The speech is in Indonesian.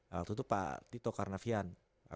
waktu itu pak tito karnavian